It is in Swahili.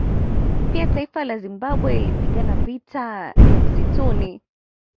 Pia taifa la Zimbabwe lilipigana vita ya Msituni